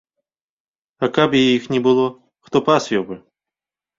А каб і іх не было, хто пасвіў бы?